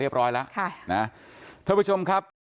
พี่ทีมข่าวของที่รักของ